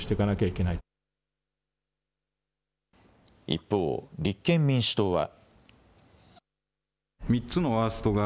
一方、立憲民主党は。